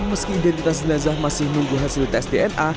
meski identitas jenazah masih menunggu hasil tes dna